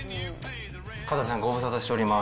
かたせさん、ご無沙汰しております。